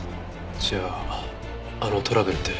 じゃああのトラブルって。